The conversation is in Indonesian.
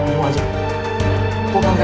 kamu kan ngerti susu gini ya